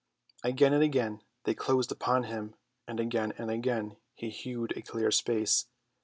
Again and again they closed upon him, and again and again he hewed a clear space.